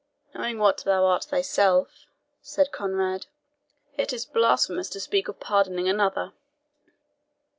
"Knowing what thou art thyself," said Conrade, "it is blasphemous to speak of pardoning another."